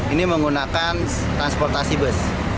ini menggunakan transportasi bus